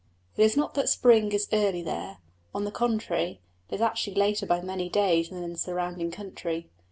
It is not that spring is early there; on the contrary, it is actually later by many days than in the surrounding country.